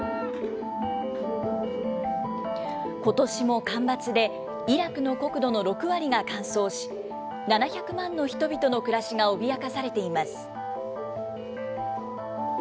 ことしも干ばつで、イラクの国土の６割が乾燥し、７００万の人々の暮らしが脅かされています。